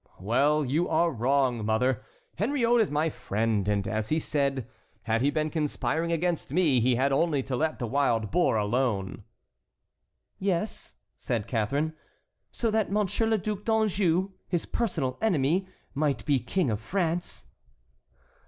"Well, you are wrong, mother. Henriot is my friend, and as he said, had he been conspiring against me he had only to let the wild boar alone." "Yes," said Catharine, "so that Monsieur le Duc d'Anjou, his personal enemy, might be King of France."